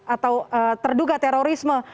atau terduga terorisme